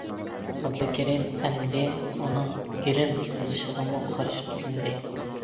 ئابدۇكېرىم ئەمدى ئۇنىڭ گىرىم قىلىشىغىمۇ قارشى تۇرمىدى.